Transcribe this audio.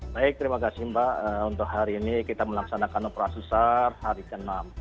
baik terima kasih mbak untuk hari ini kita melaksanakan operasi sar hari ke enam